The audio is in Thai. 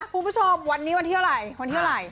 คุณผู้ชมวันนี้วันที่เท่าไหร่